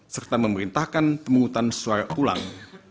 serta memerintahkan pemungutan suara ulang